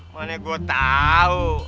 woneh gue tahu